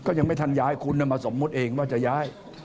ยังไม่ทันย้ายคุณมาสมมุติเองว่าจะย้าย